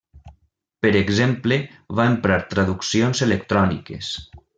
Per exemple va emprar traduccions electròniques.